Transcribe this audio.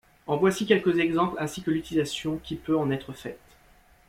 En voici quelques exemples ainsi que l'utilisation qui peut en être faite.